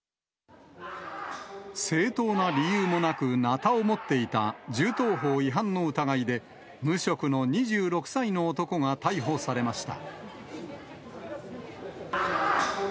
正当な理由もなく、なたを持っていた銃刀法違反の疑いで、無職の２６歳の男が逮捕されました。